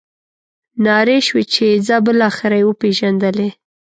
نارې شوې چې ځه بالاخره یې وپېژندلې.